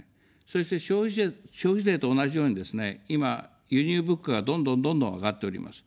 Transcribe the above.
そして消費税と同じようにですね、今、輸入物価がどんどんどんどん上がっております。